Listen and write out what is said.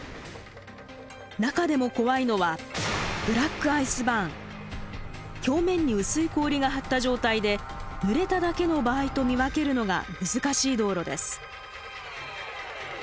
中でも怖いのは表面に薄い氷が張った状態でぬれただけの場合と見分けるのが難しい道路です。